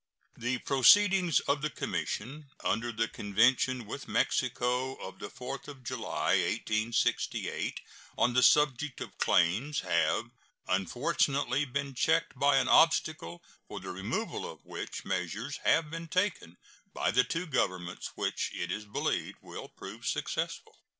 The proceedings of the commission under the convention with Mexico of the 4th of July, 1868, on the subject of claims, have, unfortunately, been checked by an obstacle, for the removal of which measures have been taken by the two Governments which it is believed will prove successful.